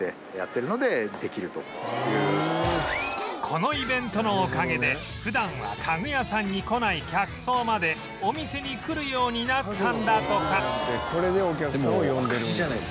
このイベントのおかげで普段は家具屋さんに来ない客層までお店に来るようになったんだとか